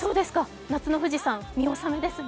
夏の富士山、見納めですね。